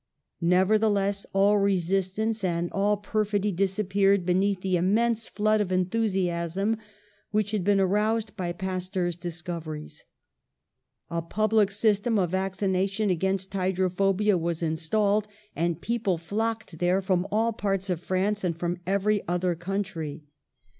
Nevertheless, all resistance and all per fidy disappeared beneath the immense flood of enthusiasm which had been aroused by Pas teur's discoveries. A public system of vaccina tion against hydrophobia was installed, and people flocked there from all parts of France and from every other country.